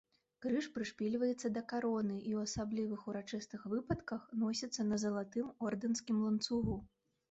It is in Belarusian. Крыж прышпільваецца да кароны і ў асабліва ўрачыстых выпадках носіцца на залатым ордэнскім ланцугу.